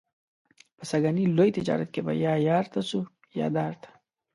په سږني لوی تجارت کې به یا یار ته څو یا دار ته.